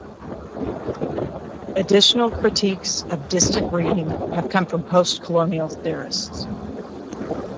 Additional critiques of distant reading have come from postcolonial theorists.